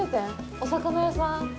お魚屋さん。